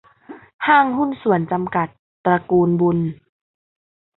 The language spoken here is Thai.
ห้างหุ้นส่วนจำกัด ตระกูลบุญ